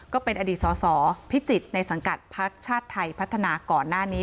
ก็เป็นอดีตสสพิจิตรในสังกัดพักชาติไทยพัฒนาก่อนหน้านี้